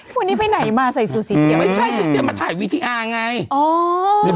วันนี้ไปไหนมาใส่ซูซิไม่ใช่ฉันตั้งแต่มาไว้รอครับอ้อ